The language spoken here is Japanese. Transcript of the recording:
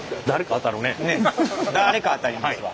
誰か当たりますわ。